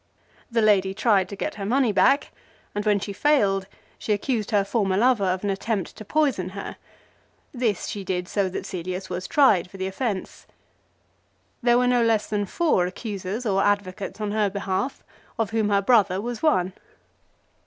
The lady tried to get her money back, and when she failed, she accused her former lover of an attempt to poison her. This she did so that Cselius was tried for the offence. There were no less than four accusers, or advocates on her behalf, of whom her brother was one.